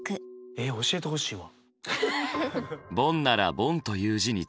えっ教えてほしいわ。